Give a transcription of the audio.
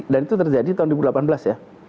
dan itu terjadi tahun dua ribu delapan belas ya